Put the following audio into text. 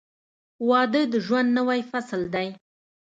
• واده د ژوند نوی فصل دی.